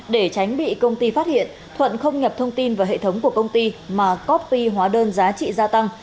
để tránh bị công ty phát hiện thuận không nhập thông tin vào hệ thống của công ty mà copy hóa đơn giá trị gia tăng